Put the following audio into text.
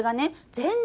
全然